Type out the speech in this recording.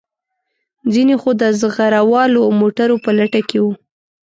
ځینې خو د زغره والو موټرو په لټه کې وو.